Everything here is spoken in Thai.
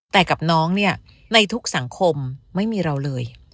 แต่กับน้องเนี่ยในทุกสังคมไม่มีเราเลย